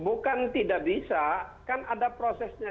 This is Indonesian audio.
bukan tidak bisa kan ada prosesnya